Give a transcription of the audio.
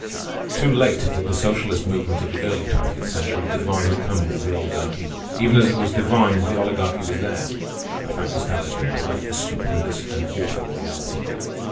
Too late did the socialist movement of the early twentieth century divine the coming of the Oligarchy. Even as it was divined, the Oligarchy was there—a fact established in blood, a stupendous and awful reality.